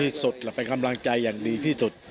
ที่สุดและเป็นกำลังใจอย่างดีที่สุด